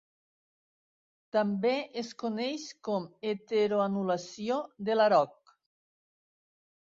També es coneix com "heteroanulació" de Larock.